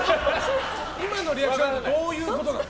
今のリアクションはどういうことなの。